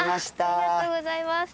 ありがとうございます。